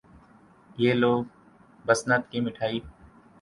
یہ لو، بسنت کی مٹھائی۔